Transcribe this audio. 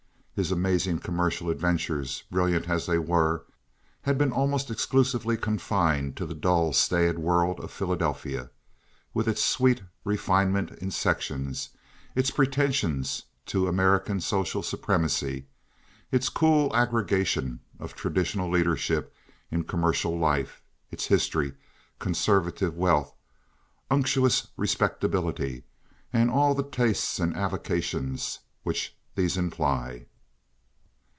His amazing commercial adventures, brilliant as they were, had been almost exclusively confined to the dull, staid world of Philadelphia, with its sweet refinement in sections, its pretensions to American social supremacy, its cool arrogation of traditional leadership in commercial life, its history, conservative wealth, unctuous respectability, and all the tastes and avocations which these imply.